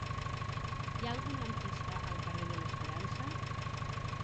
Hi ha algun lampista al carrer de l'Esperança?